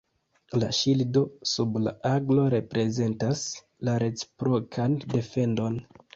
La ŝildo sub la aglo reprezentas la reciprokan defendon.